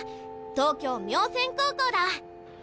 東京明泉高校だ。